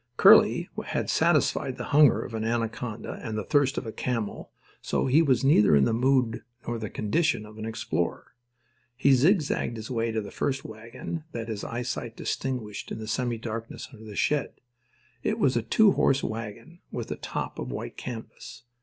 Curly had satisfied the hunger of an anaconda and the thirst of a camel, so he was neither in the mood nor the condition of an explorer. He zigzagged his way to the first wagon that his eyesight distinguished in the semi darkness under the shed. It was a two horse wagon with a top of white canvas.